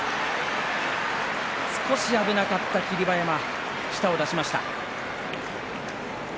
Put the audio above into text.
少し危なかった霧馬山舌を出しました。